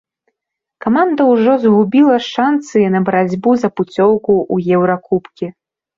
Каманда ўжо згубіла шанцы на барацьбу за пуцёўку ў еўракубкі.